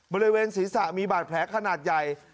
บริเวณศีรษะมีบาดแผลขนาดใหญ่